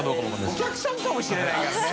お客さんかもしれないからね。